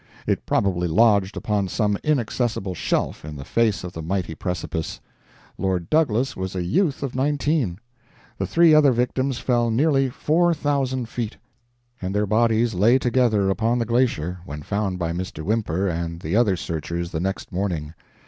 It probably lodged upon some inaccessible shelf in the face of the mighty precipice. Lord Douglas was a youth of nineteen. The three other victims fell nearly four thousand feet, and their bodies lay together upon the glacier when found by Mr. Whymper and the other searchers the next morning.